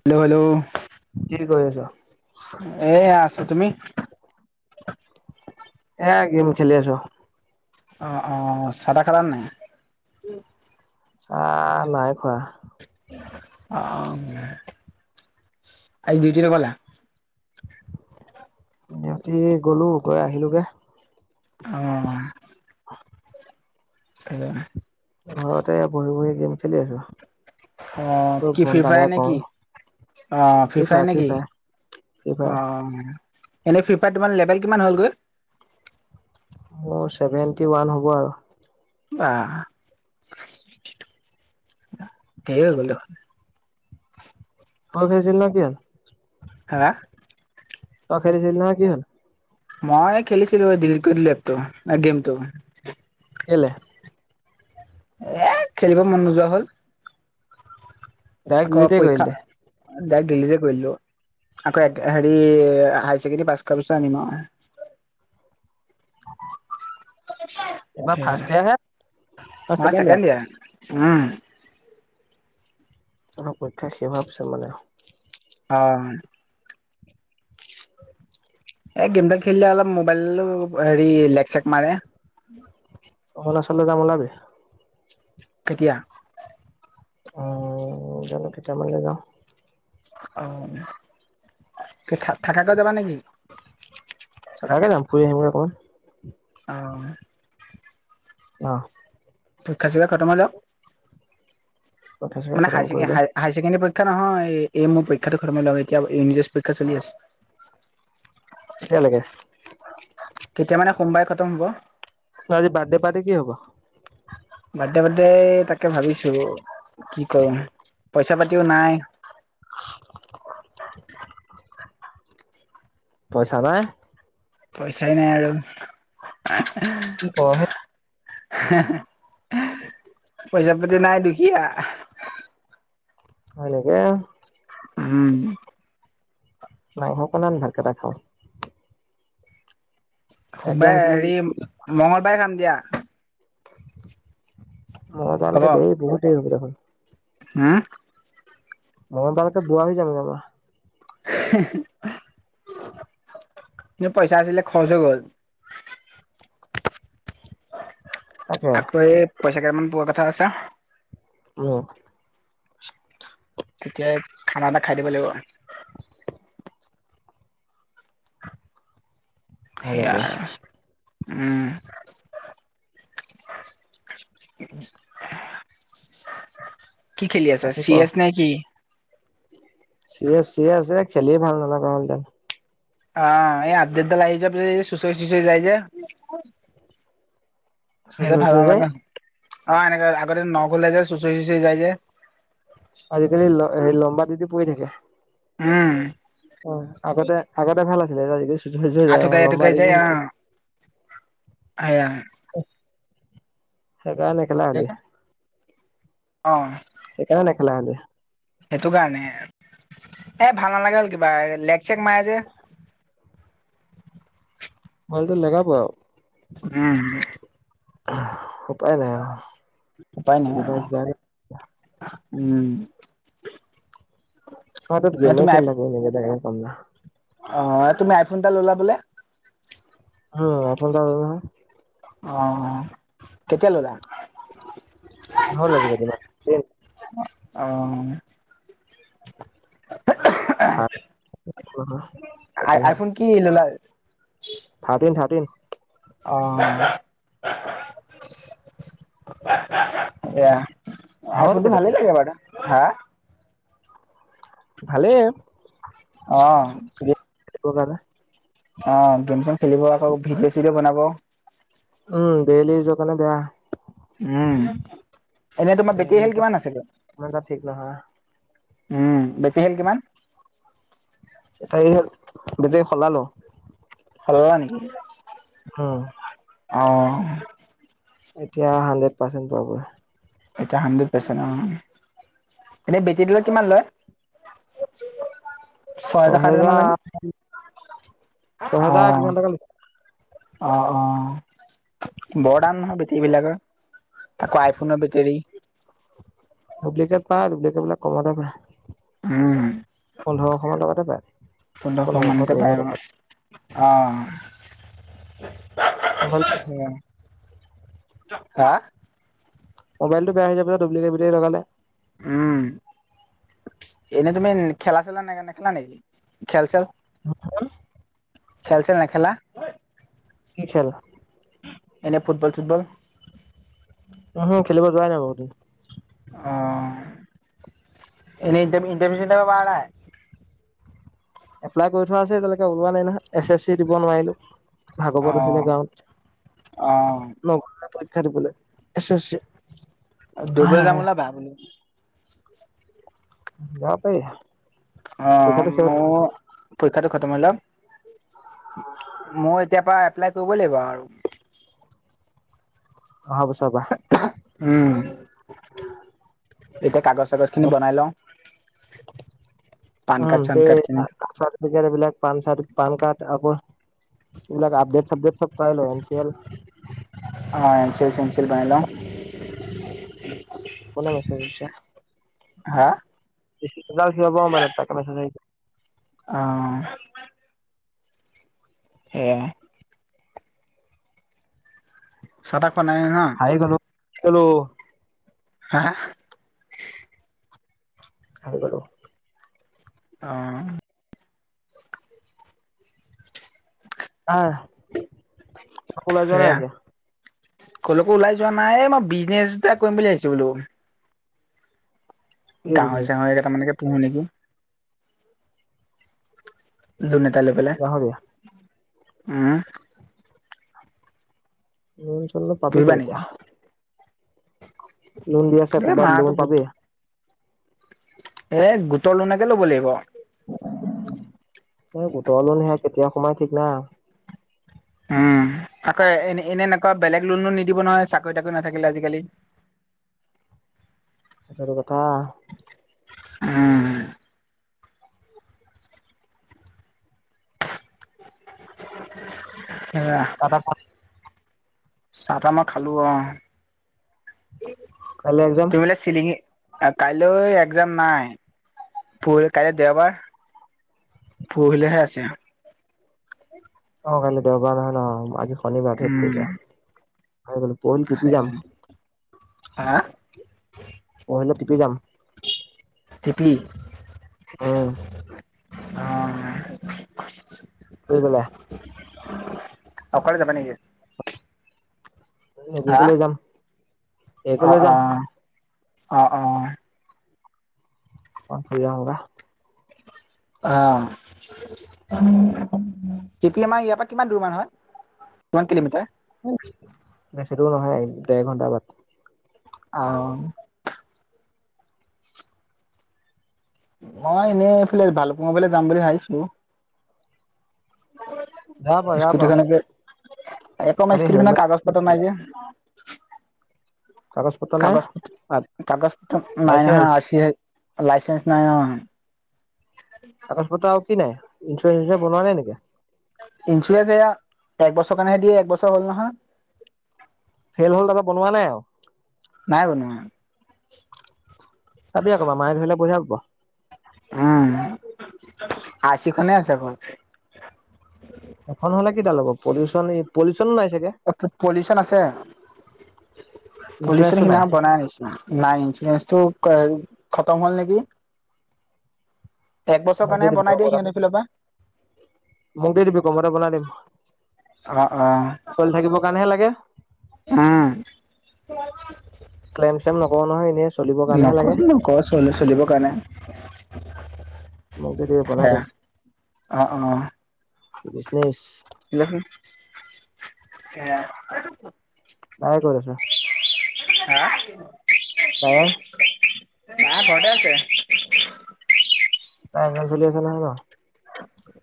Hello hello কিতো কৰি আছ এয়া আছো। তুমি? এয়া গেম খেলি আছোঁ। অ অ চাহ তাহ খালানে নাই? চাহ নাই খোৱা। অ আজি ডিউটি নগলা? ডিউটি গলো গৈ আহিলো গে। অ। [inaudible] [inaudible] ঘৰতে বহি বহি গেম খেলি আছোঁ। অ কি ফ্ৰিফায়াৰ নেকি কৰো। অ ফ্ৰী ফ্ৰিফায়াৰ ফায়াৰ ফ্ৰী নেকি? ফায়াৰ ফ্ৰী অ ফায়াৰ। এনে ফ্ৰিফাৱাৰত তোমাৰ লেবেল কিমান হ'ল গৈ? মোৰ চছেভেন্টি ওৱান হ'ব আৰু। বা ঢেৰ হৈ গ'ল দেখোন। [inaudible] হা। তই খেলিছিল না কি হ'ল? মই খেলিছিলো ডীলিট কৰি দিলো এপটো গেমটো। কেলে? এ খেলিব মন নোযোৱা হ'ল। ডাইৰেক্ট আকৌ ডিলিটে কৰি পৰীক্ষা দিলি। ডাইৰেক্ট ডিলিটে কৰি দিলোঁ। আকৌ একে হেৰি হাই ছেকেণ্ডেৰী পাছ কৰাৰ পিছত আনিম আৰু। [unintelligible] এইবাৰ ফাৰ্ষ্ট ইয়েৰ হে অ ছেকেণ্ড ইয়েৰ? Second year. হুম। অ পৰীক্ষা শেষ হোৱাৰ পিছত মানে আৰু। অ। এই গেমডাল খেলিলে অলপ মোবাইল অ হেৰি লেক চেক মাৰে। অৰুণাচললৈ যাম ওলাবি? কেতিয়া? উম জানো কেতিয়া মানে যাওঁ। অ কি থা থাকাকে যাবা নেকি? থাকাকে যাম ফুৰি আহিম অকণমান। আহ। আহ। পৰীক্ষা চৰীক্ষা খতম হৈ লওঁক। পৰীক্ষা চৰীক্ষা মানে হাই খতম কৰি ছেকেণ্ড লওঁ। হাই ছেকেণ্ডাৰী পৰীক্ষা নহয় এই এই মোৰ পৰীক্ষাটো খতম হৈ লওঁক এতিয়া ইংলিছ পৰীক্ষা চলি আছে। কেতিয়ালৈকে? কেতিয়া মানে সোমবাৰে খতম হ'ব। আজি বাৰ্থডে পাৰ্টি কি হ'ব? বাৰ্থডে বাৰ্থডে তাকে ভাবিছো কি কৰো পইচা পাতিও নাই। পইচা নাই? পইচাই নাই আৰু। হে কি ক হে হে পইচা পাতি নাই দুখীয়া। হয় নেকি? উম মাংস অকণ আন ভাত কেইটা খাওঁ একজাম সোমবাৰে চেকজাম হেৰি মঙ্গলবাৰে খাম দিয়া মংগলবাৰ হ'ব লৈকে দেৰি বহুত দেৰি হ'ব দেখোন হম মঙলবাৰলৈকে বুঢ়া হৈ যাম জানা পইচা আছিলে খৰচ হৈ গ'ল তাকে আকৌ এই পইচা কেইটামান পোৱা কথা আছে [unintelligible] তেতিয়াই খানা এটা খাই দিব লাগিব সেইয়া সেনেকে আৰু উম কি খেলি আছা বাকী ক চি এছ নে কি চি এছ চি এছ যে খেলি ভাল নলগা হ'ল এতিয়া অ' এই আপদেত ডাল আহি যোৱাৰ পিছত এই চুচৰি চুচৰি যাই যে চুচৰি সেইটো ভাল চুচৰি যায় নালাগে অ' এনেকে আগতে নগ'লে যে চুচৰি চুচৰি যাই যে আজিকালি ল এই লম্বা দি দি পৰি থাকে উম উম আগতে আগতে ভাল আছিলে তেতিয়া চুচৰি চুচৰি যায় এতিয়া লম্বা দি দি চুচৰি আয়া সেইকাৰণে নেখেলা দে হলি অহ সেইকাৰণে নেখেলা হলি সেইটো কাৰণে এ ভাল নালাগে হ'ল কিবা লেগ চেগ মাৰে যে ভালতো লেগাব আৰু উম [inaudible] উপায় নাই আৰু ডিভাইচ বেয়া উম মই তাত গেমে তুমি খেলি আইফ থাকোঁ এনে থকাত কে কাম নাই অ' এই তুমি আইফোন এটা ল'লা বোলে উম আইফোন এটা ল'লো নহয় অ' কেতিয়া ল'লা হ'ল আজি কেইদিন মান অ' থাৰ্ড ছেকেণ্ড হেণ্ড নহয় সেই আই কাৰণে আইফোন কি ল'লা থাৰ্টিন থাৰ্টিন অ' এয়া আইফোনটো হলগে ভালেই দেখোন লাগে কিবা এটা হা ভালেই অ সেইটোকাৰনে অ' গেম চেম খেলিব আকৌ ভিডিঅ' চিডিঅ বনাব উম ডেইলি ইউজৰ কাৰনে বেয়া উম এনে তোমাৰ ডেইলি বেটৰী খেল ইউজত কিমান আছেগৈ ইমান এটা ঠিক নহয় উম, বেটেৰি হেলথ কিমান? [unintelligible] বেটেৰী খলালো। সলালা নেকি? উম। অ'। এতিয়া হাড্ৰেড পাৰ্চেণ্ট পাব। এতিয়া হানড্ৰেড পাৰ্চেণ্ট অ', এনে বেটেৰী বিলাক কিমান লয়? ছয় হাজাৰ, সাত হাজাৰ মান লায় ছহেজাৰ নে, ছহেজাৰ কিমান অ'। টকা অ', অ', বৰ দাম নহয় বেটেৰী বিলাকৰ, আকৌ আইফোনৰ বেটেৰী। ডুপ্লিকেট পায়, ডুপ্লিকেট বিলাক কমতে পায়। উম পোন্ধৰশ মান টকাতে পায়। পোন্ধৰশ দুহেজাৰ টকাত মানতে পায়, অ'। মোবাইল অ', সেইয়া। হা? মোবলটো বেয়া হৈ যাব যে, ডু্বলিকেট বেটেৰী লগালে। উম, এনেই তুমি খেলা-চেলা নেখেলা নেকি, খেল, চেল? হুম? খেল, ছেল নেখেলা? কি খেল? এনেই ফুটবল, চুটবল। উহম খেলিব যোৱাই নাই বহুত দিন। অ', এনে ইণ্টাৰভিউ, চিন্তাটাৰভিও মাৰা নাই? এপ্লাই কৰি থোৱা আছে, এতিয়ালৈকে, ওলোৱা নাই নহয়, এছ এছ চি দিব নোৱাৰিলোঁ, অ ভাগৱত আছিলে অ গাঁৱত। নগলোয়ে পৰীক্ষা দিবলৈ, এছ এছ ছি। দৰিবলৈ যাম, ওলাবা বোলো। যাব পাৰি। অ', তেখেতৰ সিহঁত মোৰ পৰীক্ষাটো খতম হৈ লক, মই এতিয়াৰ পৰা এপ্লাই কৰিব লাগিব আৰু। অহা বছৰ পৰা। উম, এতিয়া কাগজ, চাগজ খিনি পৰা বনাই লওঁ। [inaudible] উম, কাৰ্ড চান পে কাৰ্ড খিনি [unintelligible] এতিয়া, এইবিলাক পান চাত, পান কাৰ্ড, আকৌ এইবিলাক আপডেট, চাপডেট চব কৰাই ল', এন চি এল। অ', এন চি এল, চেন চি এল বনাই লওঁ। কোনে মেছেজ দিছে? হা? [unintelligible] মবলেইত, তাকে মেছেজ আহিছে। আহ। সেয়াই। চাহ, তাহ খোৱা নাই, নহয় ন'? আহি গলোঁ, কলোঁ। হা, হা? হেৰী গলোঁ। অ'। আহ, ওলাই যোৱা নাই সেয়া এতিয়া। কলৈকো ওলাই যোৱা নাই মই বিজনেছ এটা কৰিম বুলি ভাবিছোঁ। এই গাহৰি বিজনেছ চাহৰি কেইটামানকে পোহো নেকি? লোন এটা লৈ পেলাই গাহৰিয়া উম'। লোন চন পাবি ক'ত পুহিবা এতিয়া। লোন দি আছে এ ক'ৰবাত লোন মাহতৰ পাবি গোটটোত। এ গোটৰ লোণকে ল'ব লাগিব। এই গোটৰ লোন হে কেতিয়া সোমাই ঠিক নাই। উম' আকৌ এনে এনেকুৱাঁ বেলেগ লোণো নিদিব নহয় চাকৰি তাকৰি নাথাকিলে আজিকালি। সেইটোয়েটো কথা। উম'। এয়া তাত আকৌ চাহ তাহ মই খালোঁ অহ। কাইলৈ একজাম। চিলিঙি, কাইলৈ একজাম নাই। পৰ-কালি দেওবাৰ। পুৰহিলৈহে আছে। অহ' কালি দেওবাৰ হয় ন'। আজি শনিবাৰ ধেত তেৰিকা। উম পৰহিলৈ টিতি যাম। হা পৰহিলৈ টিতি যাম। টি পি উম অহ' [unintelligible] অকলে যাবা নেকি? মেগীকো আহ, লৈ যাম এইকো অহ, লৈ যাম অহ। অহ, অহ। [unintelligible] ফুৰি আহোগা। অহ'। কেপি আমাৰ ইয়াৰ পৰা কিমান দূৰ মান হয়? One kilometre. বেছি দূৰওঁ নহয়, দেৰ ঘণ্টাৰ বাট। অহ'। মই এনেই এইফালে ভালপুঙাবলৈ যাম বুলি ভাবিছোঁ যাব যাৱ। স্কুটিখনকে একো নাই স্কুটিখনৰ কাগজ পত্ৰ নাই যে? অহ'। কাগজ পত্ৰ নাই কাগজ পত্ৰ কাগজ পত্ৰ নাই নহয় লাইচেন্স আৰ ছি লাইচেন্স নাই অহ'। কাগজ আৰু কি নাই? ইঞ্চুৰেঞ্চ যে বনোৱা নাই নেকি? ইঞ্চুৰেঞ্চ এয়া একবছৰৰ কাৰণেহে দিয়ে। একবছৰ হ'ল নহয়। সেইবোৰৰ লগত বনোৱা নাই আৰু? নাই বনোৱা। চাবি আকৌ মামায়ে ধৰিলে পইছা [unintelligible] উম' আৰ ছি খনে আছে অকল। এখন হ'লে কিডাল হ'ব। পলিউশন পলিউচনো নাই চাগে? [unintelligible] পলিউশন আছে। পলিউচন ইঞ্চুৰেঞ্চো নাই সিনাখন বনাই আনিছোঁ। নাই ইন্ঞ্চুৰেন্ঞ্চতো খতম হল নেকি? একবছৰ মোক দি কাৰনেহে দিবি বনাই দিয়ে সিহঁতৰ ফালৰ পৰা। মোক দি দিবি [unintelligible] কমতে বনাই দিম অহ' অহ'। চলি থাকিব কাৰণেহে লাগে। উম'। [inaudible] ক্লেম চেম নকৰো নহয়, এনে চলিবৰ কাৰণেহে লাগে। ক চলি চলিবৰ কাৰণে। মোক দিদিবি বনাই সেয়া দিম। অ বিজনিচ। [unintelligible] সেয়া [unintelligible] তাই ক'ত আছে? হা? কায়াৰ বা ঘৰতে আছে। তাইৰ একজাম চলি আছে নহয় ন?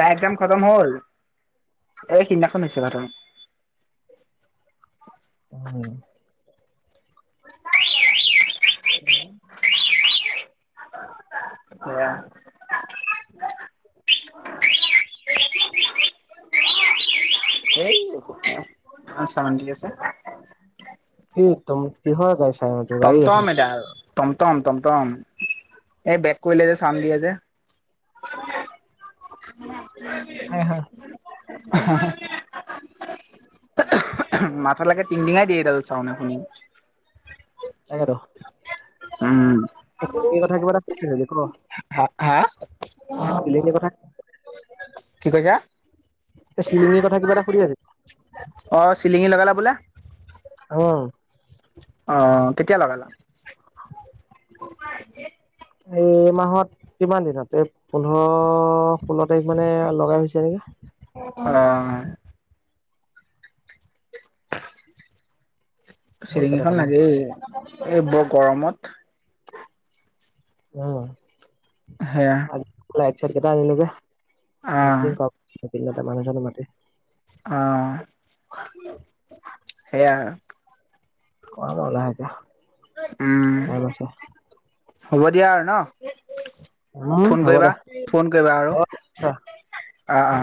তাইৰ একজাম খতম হ'ল। এই সিদিনাখন হৈছে খতম। উম। [inaudible] এয়া [unintelligible] সেই [unintelligible] ইমান চাউনড দি আছে। কি তম কিহৰ চাই ম [unintelligible] টমটম এদাল। টমটম টমটম, এই বেগ কৰিলে যে চাউন দিয়ে যে। হয় হয়। [inaudible] মাথালেকে তিনতিনাই দিয়ে এইডাল চাউন্ড শুনি। তাকেটো। উম। এই কথা কিবা এটা [unintelligible] ক হা হা? শিলিকি কথা কি কৈছা? এ চিলিঙিৰ কথা কিবা এটা সুধি আছিল। অ চিলিঙি লগালা বোলে? অঁ। অঁ, কেতিয়া লগালা? এই মাহত কিমান দিনত, এই পোন্ধৰ ষোল্ল তাৰিখ মানে লগাই হৈছে নেকি। অ [unintelligible] হ'ল চিলিঙীখন কেইটকামান লাগেই এই বৰ গৰমত। উম। সেয়া। লাইট চাইট কেইটা আনিলো যে, অ ফিটিঙ কৰাম এইকেদিনতে মানুহ চানুহ মাতি। অ এয়া। কয়াম আৰু লাহেকে। উম। টাইম আছে হ'ব দিয়া আৰু ন? উম ফোন হ'ব কৰিবা, দে ফোন কৰিবা আৰু। অ নিশ্চয় অ অ।